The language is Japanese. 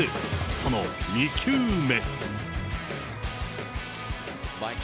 その２球目。